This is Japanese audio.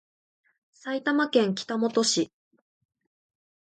埼玉県北本市